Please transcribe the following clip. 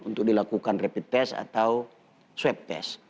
untuk dilakukan rapid test atau swab test